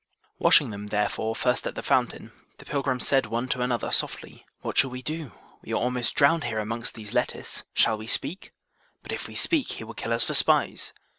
Washing them, therefore, first at the fountain, the pilgrims said one to another softly, What shall we do? We are almost drowned here amongst these lettuce, shall we speak? But if we speak, he will kill us for spies.